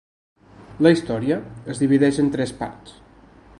La història es divideix en tres parts.